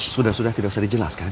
sudah sudah tidak bisa dijelaskan